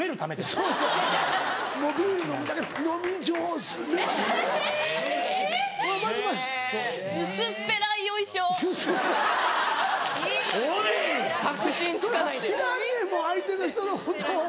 そりゃ知らんねんもん相手の人のことを。